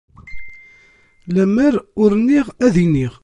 Lemmer ur nniɣ ad iniɣ.